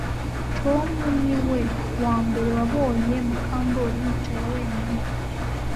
Tom niwe wambere wabonye Mukandoli yicaye wenyine